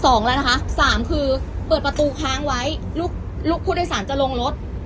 สองแล้วนะคะสามคือเปิดประตูค้างไว้ลูกลูกผู้โดยสารจะลงรถ